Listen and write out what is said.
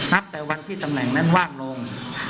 แต่วันที่ตำแหน่งนั้นว่างลง